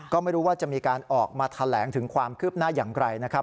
ก็ไม่รู้ว่าจะมีการออกมาแถลงถึงความคืบหน้าอย่างไรนะครับ